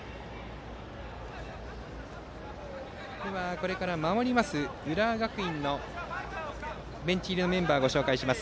これから守ります浦和学院のベンチ入りメンバーをご紹介します。